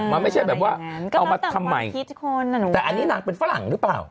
มันไม่ใช่แบบว่าเอามาทำไมคิดคนแต่อันนี้นางเป็นฝรั่งหรือเปล่า